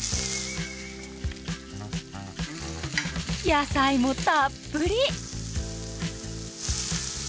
野菜もたっぷり！